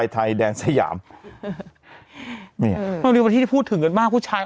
ไทยแดงสยามนี่มันเป็นพอที่พูดถึงเงินบ้านผู้ชาย